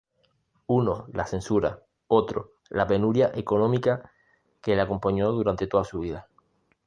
Uno, la censura; otro, la penuria económica que le acompañó durante toda su vida.